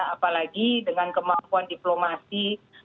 apalagi dengan kemampuan diplomasi